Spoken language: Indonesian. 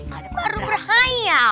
ya ih baru berhayal